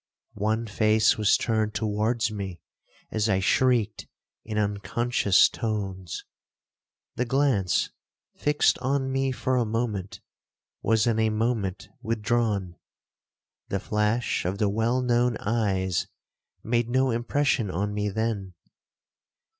One face was turned towards me as I shrieked in unconscious tones. The glance, fixed on me for a moment, was in a moment withdrawn. The flash of the well known eyes made no impression on me then.